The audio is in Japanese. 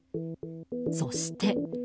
そして。